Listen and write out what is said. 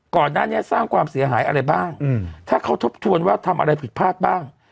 ก่อนหน้านี้สร้างความเสียหายอะไรบ้างถ้าเขาทบทวนว่าทำอะไรผิดพลาดบ้าง